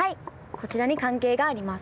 こちらに関係があります。